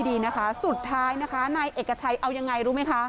ดีนะคะสุดท้ายนะคะนายเอกชัยเอายังไงรู้ไหมคะ